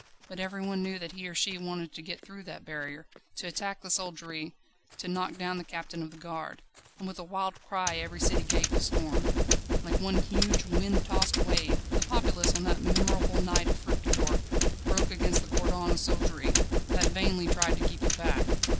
But everyone knew that he or she wanted to get through that barrier, to attack the soldiery, to knock down the captain of the Guard. And with a wild cry every city gate was stormed. Like one huge wind tossed wave, the populace on that memorable night of Fructidor, broke against the cordon of soldiery, that vainly tried to keep it back.